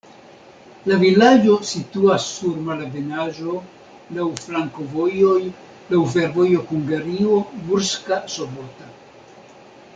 La vilaĝo situas sur malebenaĵo, laŭ flankovojoj, laŭ fervojo Hungario-Murska Sobota.